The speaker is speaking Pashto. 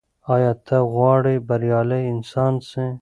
ایا ته غواړې بریالی انسان سې؟